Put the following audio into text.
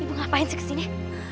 ibu ngapain sih kesini